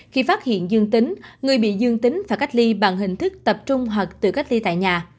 khi phát hiện dương tính người bị dương tính và cách ly bằng hình thức tập trung hoặc tự cách ly tại nhà